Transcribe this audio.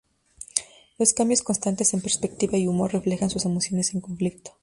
Los cambios constantes en perspectiva y humor reflejan sus emociones en conflicto.